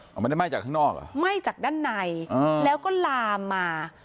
เอาไม่ได้ไหม้จากข้างนอกเหรอไหม้จากด้านในแล้วก็ลามมา